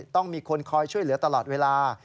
ต้องมีคนคอยช่วยเหลือตลอดเวลา